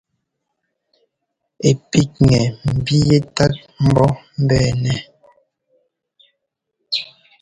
Ɛ píkŋɛ mbí yɛ́tát mbɔ́ mbɛɛnɛ.